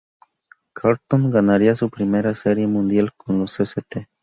Carlton ganaría su primera Serie Mundial con los St.